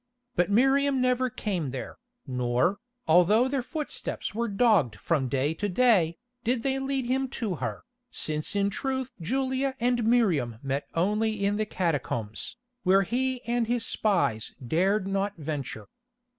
But Miriam never came there, nor, although their footsteps were dogged from day to day, did they lead him to her, since in truth Julia and Miriam met only in the catacombs, where he and his spies dared not venture.